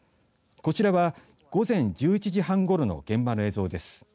こちらは午前１１時半ごろの現場の映像です。